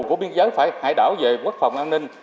của biên giới phải hải đảo về quốc phòng an ninh